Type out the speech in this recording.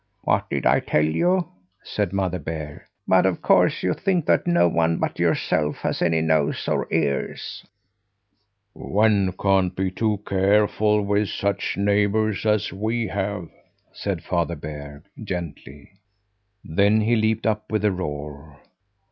"What did I tell you?" said Mother Bear. "But of course you think that no one but yourself has any nose or ears!" "One can't be too careful, with such neighbours as we have," said Father Bear gently. Then he leaped up with a roar.